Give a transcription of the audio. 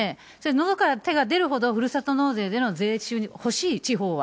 のどから手が出るほど、ふるさと納税での税収欲しい、地方は。